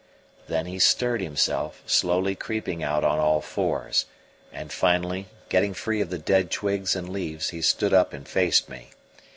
Then he stirred himself, slowly creeping out on all fours; and finally, getting free of the dead twigs and leaves, he stood up and faced me.